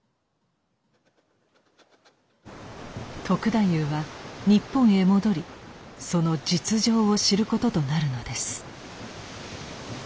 篤太夫は日本へ戻りその実情を知ることとなるのです。